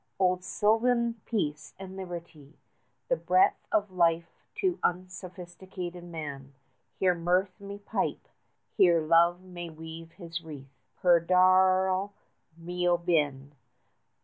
Old sylvan peace and liberty! The breath 65 Of life to unsophisticated man. Here Mirth may pipe, here Love may weave his wreath, _Per dar' al mio bene.